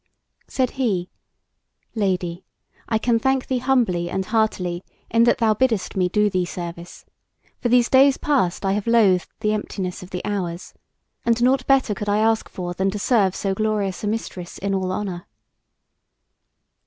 Said he: "Lady, I can thank thee humbly and heartily in that thou biddest me do thee service; for these days past I have loathed the emptiness of the hours, and nought better could I ask for than to serve so glorious a Mistress in all honour."